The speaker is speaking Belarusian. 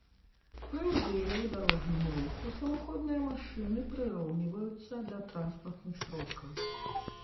Пры ўдзеле ў дарожным руху самаходныя машыны прыроўніваюцца да транспартных сродкаў